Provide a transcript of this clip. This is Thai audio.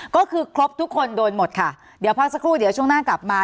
ก็คือครบทุกคนโดนหมดค่ะเดี๋ยวพักสักครู่เดี๋ยวช่วงหน้ากลับมา